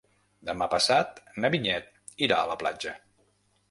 Demà passat na Vinyet irà a la platja.